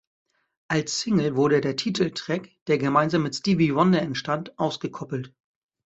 Als Single wurde der Titeltrack, der gemeinsam mit Stevie Wonder entstand, ausgekoppelt.